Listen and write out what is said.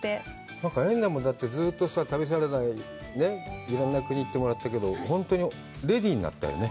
なんか、エンナも、だってずっとさぁ、旅サラダでいろんな国に行ってもらったけど、レディーになったよね。